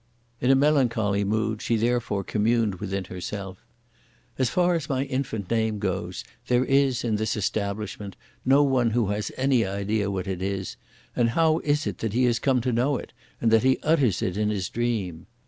In a melancholy mood she therefore communed within herself, "As far as my infant name goes, there is, in this establishment, no one who has any idea what it is, and how is it that he has come to know it, and that he utters it in his dream?"